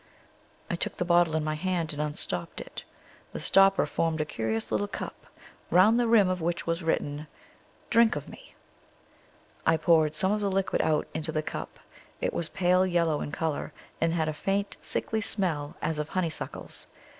I took the bottle in my hand and unstopped it. The stopper formed a curious little cup, round the rim of which was written, Drink of me. I poured some of the liquid out into the cup; it was pale yellow in color, and had a faint sickly smell as of honeysuckles.